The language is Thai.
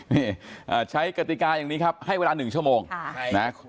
นี่ใช้กติกาอย่างนี้ครับให้เวลา๑ชั่วโมงนะ